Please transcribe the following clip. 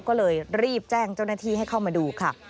ก็เลยรีบแจ้งเจ้าหน้าที่ให้เข้ามาดูค่ะ